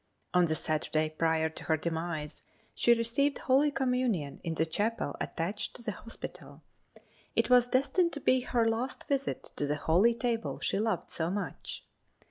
On the Saturday prior to her demise she received Holy Communion in the chapel attached to the hospital. It was destined to be her last visit to the holy table she loved so much.